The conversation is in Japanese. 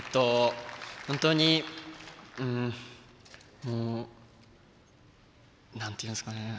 本当にもうなんて言うんですかね